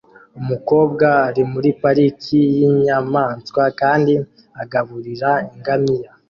Umukobwa ari muri pariki yinyamanswa kandi agaburira ingamiya